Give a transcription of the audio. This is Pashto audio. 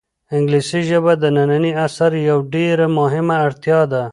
انګلیسي ژبه د ننني عصر یوه ډېره مهمه اړتیا ده.